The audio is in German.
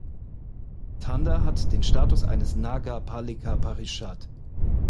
Tanda hat den Status eines Nagar Palika Parishad.